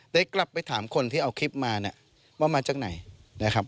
ได้กลับไปถามคนที่เอาคลิปมาเนี่ยว่ามาจากไหนนะครับ